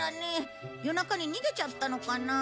夜中に逃げちゃったのかな。